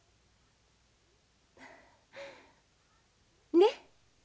ねっ。